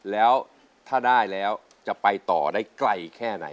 แล้วถ้าได้แล้วจะไปต่อได้ไกลแค่ไหน